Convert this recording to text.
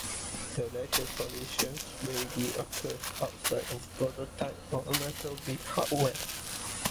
The latter condition rarely occurs outside of prototype or amateur-built hardware.